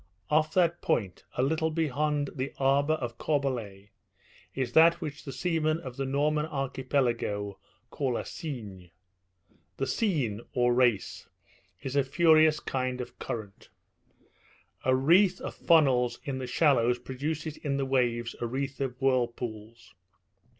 Off that point, a little beyond the harbour of Corbelets, is that which the seamen of the Norman archipelago call a "singe." The "singe," or race, is a furious kind of current. A wreath of funnels in the shallows produces in the waves a wreath of whirlpools.